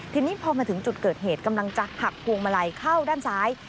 ทีนี้พอมาถึงจุดเกิดเหตุกำลังจะหักพวงมาลัยเข้าด้านซ้าย